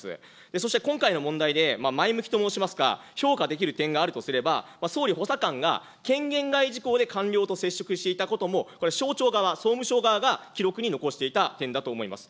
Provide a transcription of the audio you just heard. そして今回の問題で前向きと申しますか、評価できる点があるとすれば、総理補佐官が権限外事項で官僚と接触していたことも、これ、省庁側、総務省側が記録に残していた点だと思います。